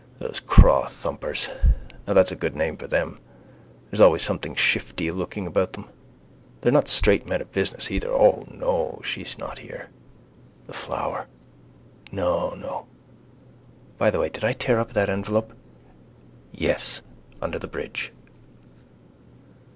Those crawthumpers, now that's a good name for them, there's always something shiftylooking about them. They're not straight men of business either. O, no, she's not here: the flower: no, no. By the way, did I tear up that envelope? Yes: under the bridge.